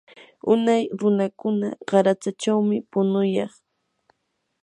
unay runakuna qaratsachawmi punuyan.